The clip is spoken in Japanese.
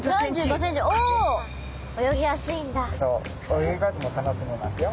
泳ぎ方も楽しめますよ。